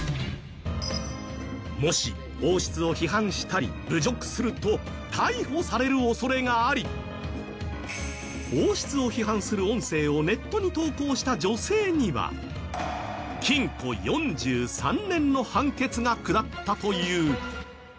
もし、王室を批判したり侮辱すると逮捕される恐れがあり王室を批判する音声をネットに投稿した女性には禁錮４３年の判決が下ったという。